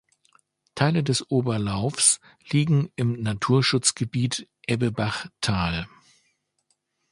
Teile des Oberlaufs liegen im Naturschutzgebiet Ebbebach-Tal.